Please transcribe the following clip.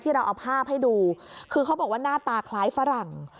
เราเอาภาพให้ดูคือเขาบอกว่าหน้าตาคล้ายฝรั่ง